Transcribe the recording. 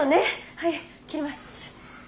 はい切ります。